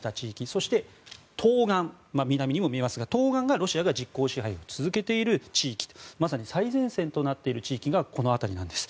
そして、東岸南にも見えますが東岸が、ロシアが実効支配を続けている地域まさに最前線となっている地域がこの辺りなんです。